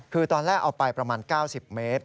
คือตอนแรกเอาไปประมาณ๙๐เมตร